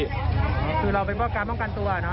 คือเราเป็นบ้านการป้องกันตัวนะ